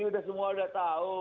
sudah semua sudah tahu